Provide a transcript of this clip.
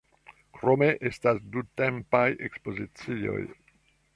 Krome estas dumtempaj ekspozicioj.